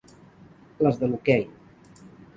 Les de l’hoquei.